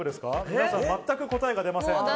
皆さん全く答えが出ません。